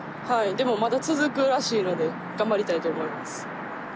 でもまだ続くらしいので頑張りたいと思います。